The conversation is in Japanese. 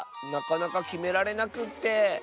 なかなかきめられなくって。